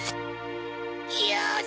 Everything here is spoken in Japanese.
よし！